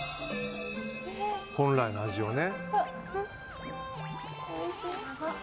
本来の味をね。